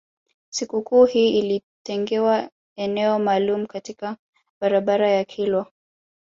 Sikukuu hii ilitengewa eneo maalum katika barabara ya kilwa